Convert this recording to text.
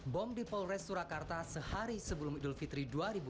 bom di polres surakarta sehari sebelum idul fitri dua ribu dua puluh